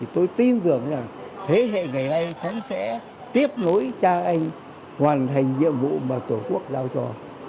tôi tin tưởng là thế hệ ngày nay chúng sẽ tiếp nối trang anh hoàn thành nhiệm vụ mà tổ quốc đào cho